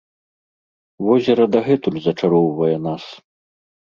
Возера дагэтуль зачароўвае нас.